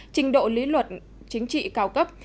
trình độ lý luật chính trị cao cấp